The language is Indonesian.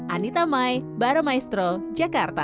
anita mai baramaestro jakarta